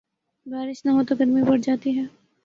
بارش نہ ہوتو گرمی بڑھ جاتی ہے۔